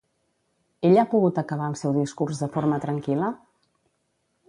Ell ha pogut acabar el seu discurs de forma tranquil·la?